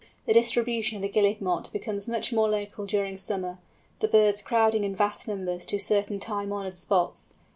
The distribution of the Guillemot becomes much more local during summer, the birds crowding in vast numbers to certain time honoured spots.